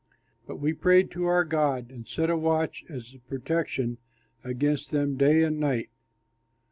But we prayed to our God and set a watch as a protection against them day and night.